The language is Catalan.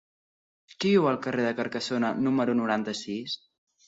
Qui viu al carrer de Carcassona número noranta-sis?